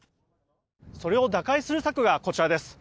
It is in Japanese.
それを打開する策がこちらです。